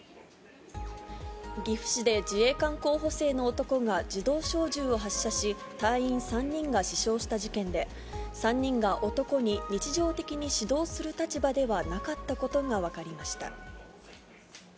岐阜市で自衛官候補生の男が自動小銃を発射し、隊員３人が死傷した事件で、３人が男に日常的に指導する立場ではなかったことが分かりました。